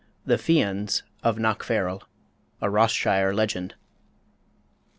THE FIANS OF KNOCKFARREL. (A Ross shire Legend.) I.